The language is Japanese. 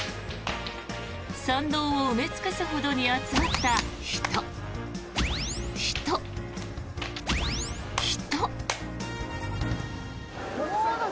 参道を埋め尽くすほどに集まった人、人、人。